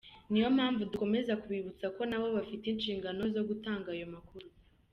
Ni yo mpamvu dukomeza kubibutsa ko nabo bafite inshingano zo gutanga ayo makuru.